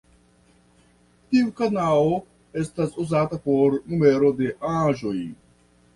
Tiu kanao estas uzata por numero de aĵoj.